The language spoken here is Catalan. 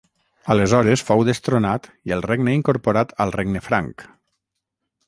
Aleshores fou destronat i el regne incorporat al regne franc.